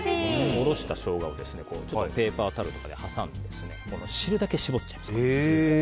おろしたショウガをペーパータオルとかで挟んで汁だけ絞っちゃいます。